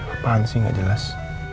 apaan sih nggak jelas